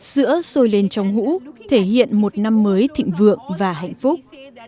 sữa sôi lên trong hũ thể hiện một năm mới thịnh vượng và hạnh phúc